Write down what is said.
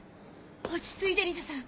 落ち着いてリサさん。